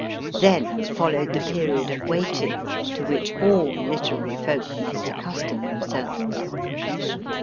Then followed the period of waiting to which all literary folk must accustom themselves.